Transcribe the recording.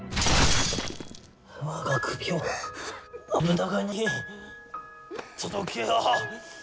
我が首を信長に届けよ。